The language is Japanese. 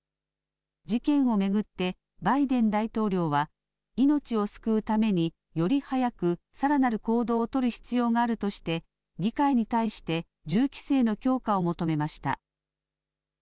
事件を巡ってバイデン大統領は命を救うためにより早くさらなる行動を取る必要があるとして議会に対して銃規制の強化を求めました。